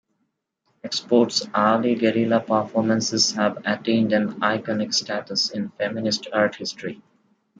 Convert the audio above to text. Export's early guerrilla performances have attained an iconic status in feminist art history.